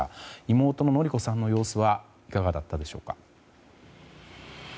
妹の典子さんの様子はいかがだったでしょうか？